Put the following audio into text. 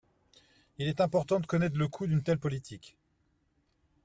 Il est important de connaître le coût d’une telle politique.